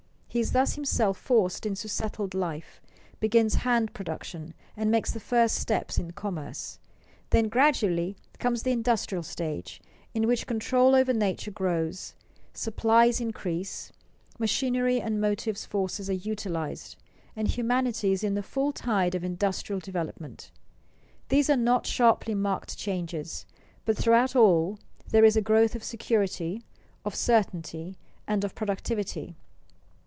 He is thus himself forced into settled life, begins hand production, and makes the first steps in commerce. Then gradually comes the industrial stage, in which control over nature grows, supplies increase, machinery and motive forces are utilized, and humanity is in the full tide of industrial development. These are not sharply marked changes, but throughout all there is a growth of security, of certainty, and of productivity.